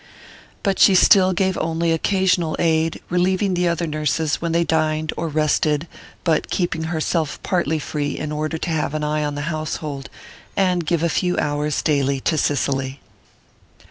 But she still gave only occasional aid, relieving the other nurses when they dined or rested, but keeping herself partly free in order to have an eye on the household, and give a few hours daily to Cicely.